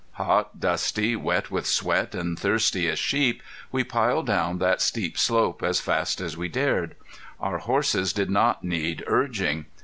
Hot, dusty, wet with sweat, and thirsty as sheep, we piled down that steep slope as fast as we dared. Our horses did not need urging.